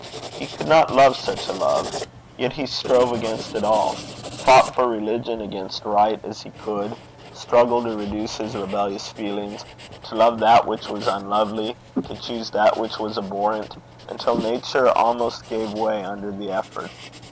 He could not love such a love. Yet he strove against it all fought for religion against right as he could; struggled to reduce his rebellious feelings, to love that which was unlovely, to choose that which was abhorrent, until nature almost gave way under the effort.